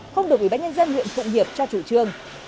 không được ủy ban nhân dân huyện phụng hiệp cho chủ trương